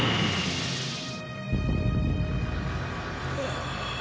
ああ。